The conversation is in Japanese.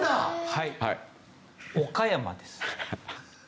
はい岡山です。